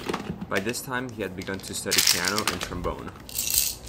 By this time he had begun to study piano and trombone.